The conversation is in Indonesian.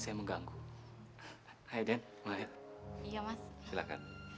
ampuni dosa allah